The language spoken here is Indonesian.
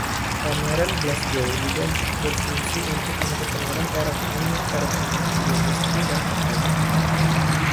Pameran Glasgow juga berfungsi untuk memperkenalkan para pengunjung pada perubahan di industri dan perdagangan.